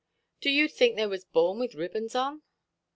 "Do you think they was born with ribbons on"?